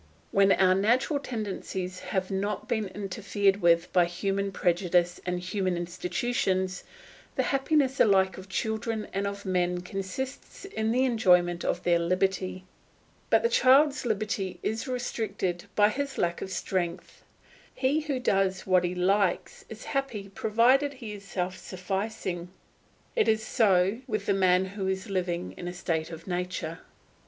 When our natural tendencies have not been interfered with by human prejudice and human institutions, the happiness alike of children and of men consists in the enjoyment of their liberty. But the child's liberty is restricted by his lack of strength. He who does as he likes is happy provided he is self sufficing; it is so with the man who is living in a state of nature.